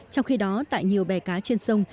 trong khi đó tại nhiều bè cá trên sông